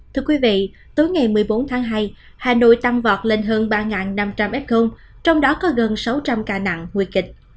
thưa quý vị tối ngày một mươi bốn tháng hai hà nội tăng vọt lên hơn ba năm trăm linh f trong đó có gần sáu trăm linh ca nặng nguy kịch